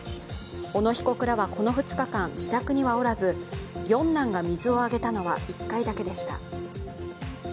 小野被告らはこの２日間、自宅にはおらず四男が水をあげたのは１回だけでした。